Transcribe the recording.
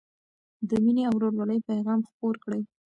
د مینې او ورورولۍ پيغام خپور کړئ.